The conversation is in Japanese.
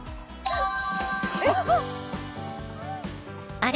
「あれ？